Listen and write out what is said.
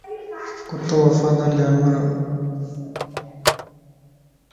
ڪتو وفادار جانور ا